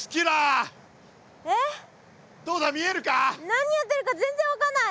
何やってるか全然分かんない！